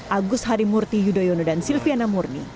agus harimurti yudhoyono dan silviana murni